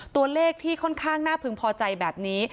ตัวเลขที่ค่อนข้างน่าพึงพอใจแบบนี้